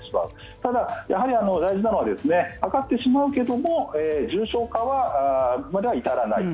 ただ、やはり大事なのはかかってしまうけれども重症化にまでは至らないと。